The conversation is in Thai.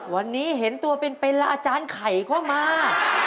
วันนี้เห็นตัวเป็นแล้วอาจารย์ไข่ก็มา